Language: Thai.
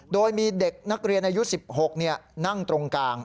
โดยมีเด็กนักเรียนอายุ๑๖นั่งตรงกลาง